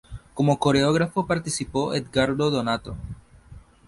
Como coreógrafo participó Edgardo Donato.